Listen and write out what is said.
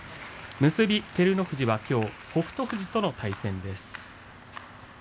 結び照ノ富士はきょう北勝富士との対戦です。